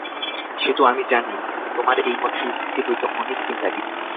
সে তো আমি জানি মা, তোমার এই মন সুস্থির হইতে অনেক দিন লাগিবে।